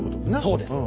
そうです。